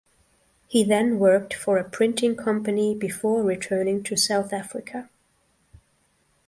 He then worked for a printing company before returning to South Africa.